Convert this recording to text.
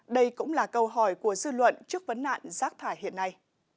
đây cũng là câu hỏi của dư luận trước vấn nạn rác thải hiện nay